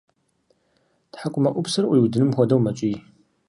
Тхьэкӏумэӏупсыр ӏуиудыным хуэдэу мэкӏий.